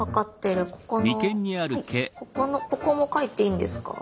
ここも描いていいんですか？